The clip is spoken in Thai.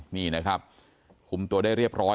นี่นะครับคุมตัวได้เรียบร้อย